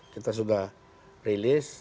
kita sudah release